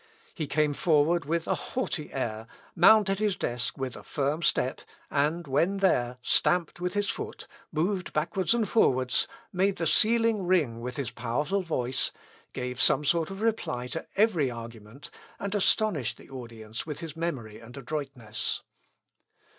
He came forward with a haughty air, mounted his desk with a firm step, and when there, stamped with his foot, moved backwards and forwards, made the ceiling ring with his powerful voice, gave some sort of reply to every argument, and astonished the audience with his memory and adroitness.